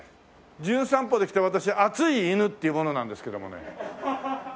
『じゅん散歩』で来た私熱い犬っていう者なんですけどもね。